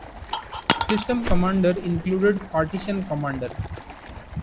System Commander included "Partition Commander".